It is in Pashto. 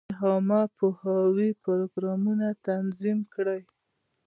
د عامه پوهاوي پروګرامونه تنظیم کړي.